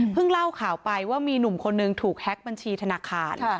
เล่าข่าวไปว่ามีหนุ่มคนนึงถูกแฮ็กบัญชีธนาคาร